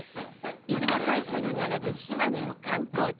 出雲大社に並ぶ島根の観光地